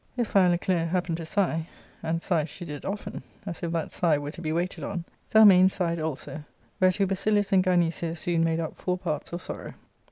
If Philoclea happened to sigh, and sigh she did often, as if that sigh were to be waited on, Zelmane sighed also, whereto Basilius and Gynecia soon made up four parts of sorrow.